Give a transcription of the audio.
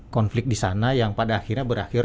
konflik disana yang pada akhirnya berakhir